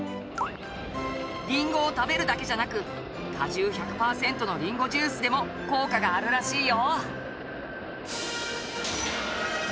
りんごを食べるだけじゃなく果汁１００パーセントのりんごジュースでも効果があるらしいよ！